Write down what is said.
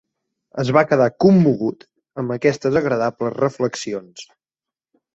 Es va quedar commogut amb aquestes agradables reflexions.